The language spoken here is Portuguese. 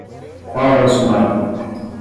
Qual é o sumário?